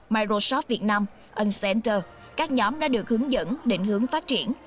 microsoft việt nam incenter các nhóm đã được hướng dẫn định hướng phát triển